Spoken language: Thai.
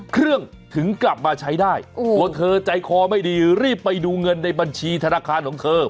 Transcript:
เครื่องถึงกลับมาใช้ได้ตัวเธอใจคอไม่ดีรีบไปดูเงินในบัญชีธนาคารของเธอ